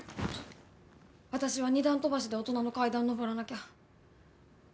私は二段飛ばしで大人の階段を上らなきゃ。